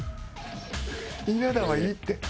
稲田はいいって。